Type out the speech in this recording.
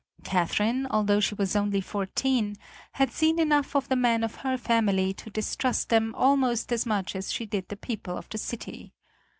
Catherine, although she was only fourteen, had seen enough of the men of her family to distrust them almost as much as she did the people of the city.